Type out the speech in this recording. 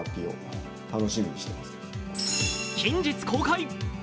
近日公開。